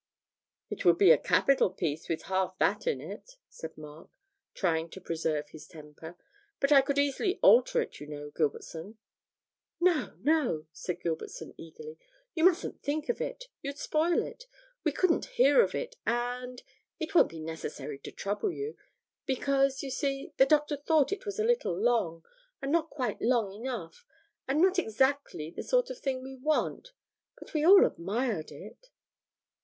'It would be a capital piece with half that in it,' said Mark, trying to preserve his temper, 'but I could easily alter it, you know, Gilbertson.' 'No, no,' said Gilbertson, eagerly, 'you mustn't think of it; you'd spoil it; we couldn't hear of it, and and it won't be necessary to trouble you. Because, you see, the Doctor thought it was a little long, and not quite light enough; and not exactly the sort of thing we want, but we all admired it.'